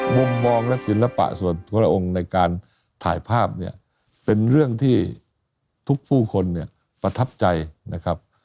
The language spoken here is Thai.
มุมมองและศิลปะส่วนพระองค์ในการถ่ายภาพเนี่ยเป็นเรื่องที่ทุกผู้คนเนี่ยประทับใจนะครับ